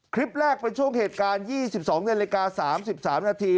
คลิปแรกเป็นช่วงเหตุการณ์๒๒นาฬิกา๓๓นาที